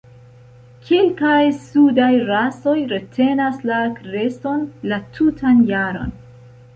Kelkaj sudaj rasoj retenas la kreston la tutan jaron.